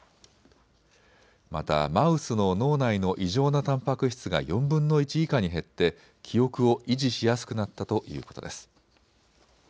またマウスの脳内の異常なたんぱく質が４分の１以下に減って記憶を維持しやすくなったということです。